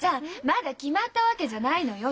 まだ決まったわけじゃないのよ。